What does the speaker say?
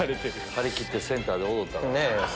張りきってセンターで踊ったから。